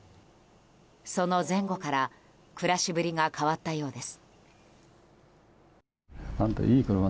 その前後から暮らしぶりが変わったようです。